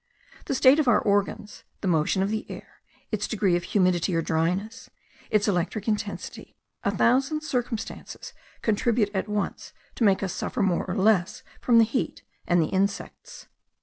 The state of our organs, the motion of the air, its degree of humidity or dryness, its electric intensity, a thousand circumstances contribute at once to make us suffer more or less from the heat and the insects.